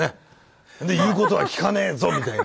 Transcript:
で言うことは聞かねえぞみたいな。